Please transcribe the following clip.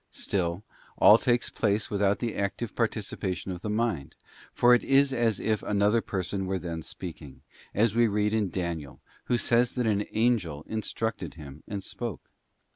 Still all takes place without the active participation of the mind, for it is asif another person were then speaking, as we read in Daniel, who says that an Angel instructed him and spoke.